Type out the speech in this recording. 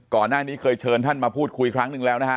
ก่อนหน้านี้เคยเชิญท่านมาพูดคุยครั้งหนึ่งแล้วนะฮะ